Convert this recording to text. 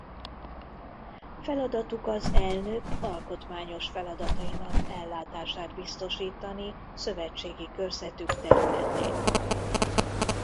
Feladatuk az elnök alkotmányos feladatainak ellátását biztosítani szövetségi körzetük területén.